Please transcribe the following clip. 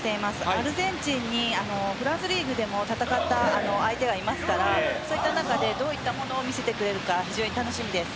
アルゼンチンにフランスリーグでも戦った相手がいますからそういった中でどういったものを見せてくれるか楽しみです。